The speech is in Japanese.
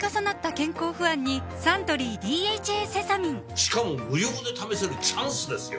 しかも無料で試せるチャンスですよ